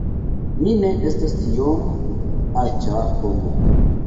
Mi ne estas tiom aĉa homo